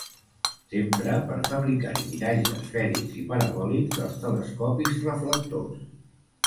S'emprà per fabricar-hi miralls esfèrics i parabòlics dels telescopis reflectors.